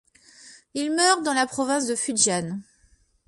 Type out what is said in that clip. Il meurt dans la province du Fujian.